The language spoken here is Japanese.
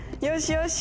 よし！